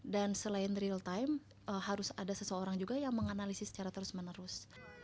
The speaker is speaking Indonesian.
dan selain real time harus ada seseorang juga yang menganalisis secara terus menerus